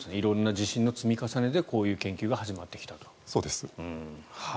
色んな地震の積み重ねでこういう研究が始まってきたと。